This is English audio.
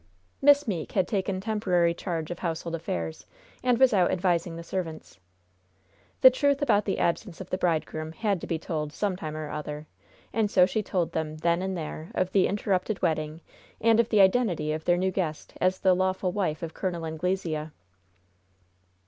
Miss Meeke had taken temporary charge of household affairs, and was out advising the servants. The truth about the absence of the bridegroom had to be told some time or other, and so she told them then and there of the interrupted wedding, and of the identity of their new guest as the lawful wife of Col. Anglesea.